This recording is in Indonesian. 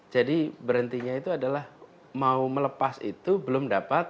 jadi berhentinya itu adalah mau melepas itu belum dapat